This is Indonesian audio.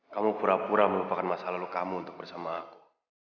kamu pura pura melupakan masa lalu kamu untuk bersama aku